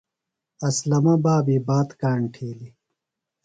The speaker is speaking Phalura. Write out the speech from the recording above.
اسلمہ بابی بات کاݨ تِھیلیۡ۔